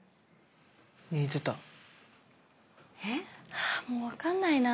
あもう分かんないな。